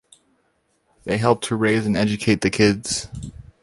They helped to raise and educate the kids.